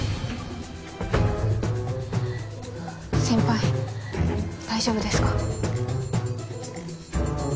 先輩大丈夫ですか？